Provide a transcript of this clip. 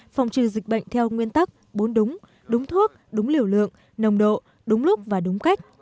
phòng trừ dịch bệnh theo nguyên tắc bốn đúng thuốc đúng liều lượng nồng độ đúng lúc và đúng cách